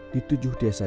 di tujuh desa desa ini